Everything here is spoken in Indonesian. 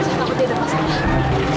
saya takut dia terpaksa